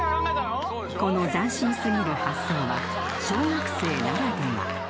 ［この斬新過ぎる発想は小学生ならでは］